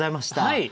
はい。